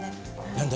何だ？